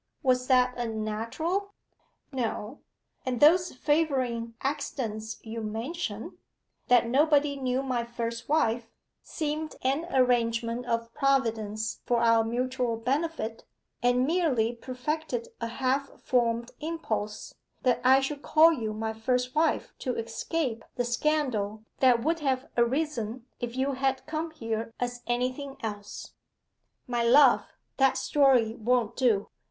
Was that unnatural?' 'No.' 'And those favouring accidents you mention that nobody knew my first wife seemed an arrangement of Providence for our mutual benefit, and merely perfected a half formed impulse that I should call you my first wife to escape the scandal that would have arisen if you had come here as anything else.' 'My love, that story won't do.